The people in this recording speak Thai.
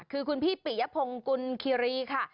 คือคุณพี่ปิยพงกุลคิรีค่ะ